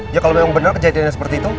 ya kalau memang benar kejadiannya seperti itu